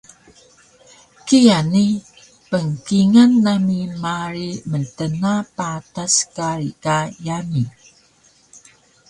Kiya ni pngkingal nami marig mtna patas kari ka yami